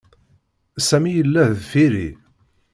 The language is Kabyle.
Sami yella deffir-i.